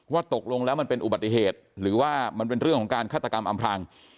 ตกลงแล้วมันเป็นอุบัติเหตุหรือว่ามันเป็นเรื่องของการฆาตกรรมอำพลาง